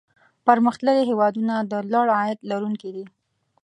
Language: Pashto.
پرمختللي هېوادونه د لوړ عاید لرونکي دي.